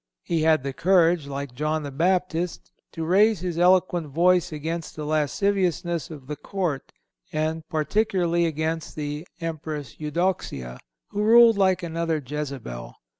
He had the courage, like John the Baptist, to raise his eloquent voice against the lasciviousness of the court, and particularly against the Empress Eudoxia, who ruled like another Jezabel.